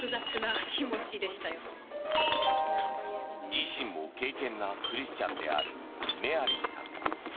自身も敬けんなクリスチャンであるメアリーさん。